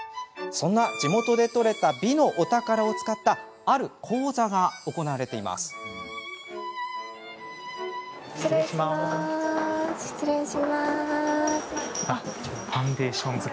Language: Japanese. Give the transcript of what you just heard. そんな地元で採れた美のお宝を使ったある講座が行われているんです。